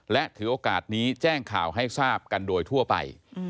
และถือโอกาสนี้แจ้งข่าวให้ทราบกันโดยทั่วไป